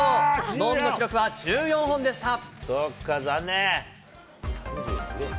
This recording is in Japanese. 納見の記録は１４本でした。